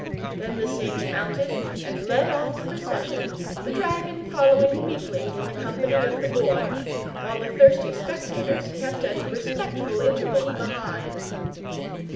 Then the Saint mounted and led off the procession, the dragon following meekly in the company of the Boy, while the thirsty spectators kept at a respectful interval behind.